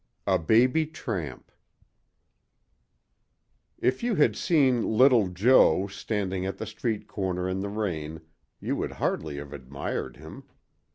A BABY TRAMP IF you had seen little Jo standing at the street corner in the rain, you would hardly have admired him.